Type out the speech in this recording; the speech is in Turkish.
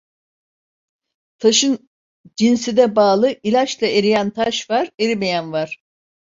Taşın cinsine bağlı, ilaçla eriyen taş var, erimeyen var.